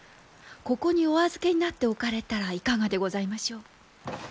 ここにお預けになっておかれたらいかがでございましょう。